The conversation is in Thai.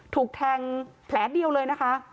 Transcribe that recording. ถูกแทงแผลเดียวเลยนะคะ